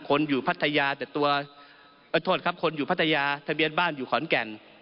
คนอยู่พัทยาแต่ตัวโทษครับคนอยู่พัทยาทะเบียนบ้านอยู่ขอนแก่น